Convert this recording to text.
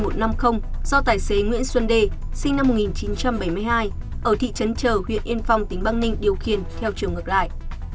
do tài xế nguyễn xuân đê sinh năm một nghìn chín trăm bảy mươi hai ở thị trấn chờ huyện yên phong tỉnh băng ninh điều khiển theo chiều ngược lại